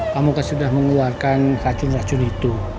kamu sudah mengeluarkan racun racun itu